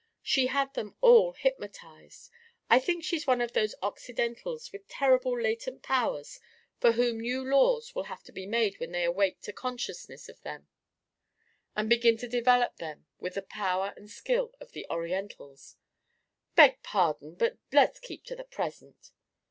She had them hypnotised. I think she's one of those Occidentals with terrible latent powers for whom new laws will have to be made when they awake to consciousness of them and begin to develop them with the power and skill of the Orientals " "Beg pardon, but let's keep to the present."